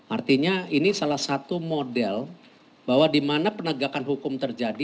artinya ini salah satu model bahwa di mana penegakan hukum terjadi